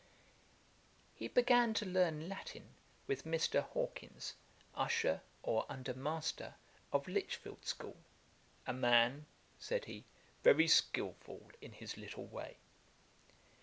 ] He began to learn Latin with Mr. Hawkins, usher, or under master of Lichfield school, 'a man (said he) very skilful in his little way.'